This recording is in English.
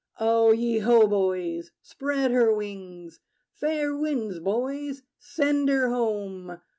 O ye ho, boys! Spread her wings! Fair winds, boys: send her home!